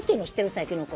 最近の子。